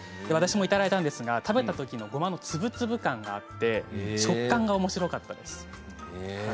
私もいただいたんですが食べたときのごまの粒々感があって食感がおもしろかったです。